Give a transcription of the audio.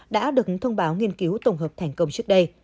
đã được thông báo nghiên cứu tổng hợp thành công trước đây